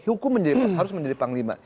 hukum harus menjadi panglima